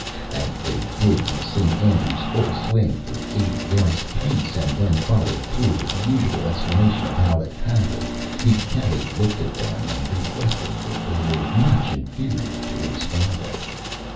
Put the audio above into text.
As they did the St. Andrews Full Swing for eighty Yards apiece and then Followed Through with the usual Explanations of how it Happened, the Caddy looked at them and Reflected that they were much inferior to his Father.